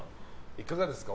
いかがですか？